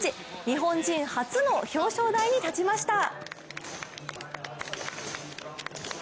日本人初の表彰台に立ちました。